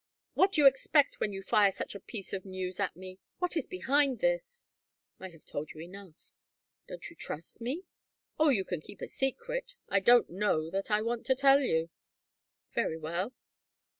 "What do you expect when you fire such a piece of news at me? What is behind this?" "I have told you enough." "Don't you trust me?" "Oh, you can keep a secret. I don't know that I want to tell you." "Very well."